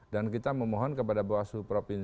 dan kita memohon kepada bawaslu